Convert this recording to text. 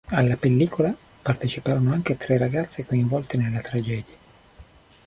Alla pellicola parteciparono anche tre ragazze coinvolte nella tragedia.